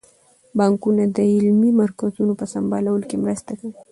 بانکونه د علمي مرکزونو په سمبالولو کې مرسته کوي.